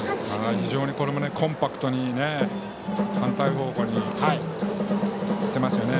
非常にこれもコンパクトに反対方向に行ってますね。